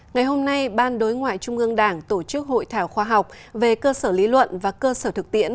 ngày hôm nay ban đối ngoại trung ương đảng tổ chức hội thảo khoa học về cơ sở lý luận và cơ sở thực tiễn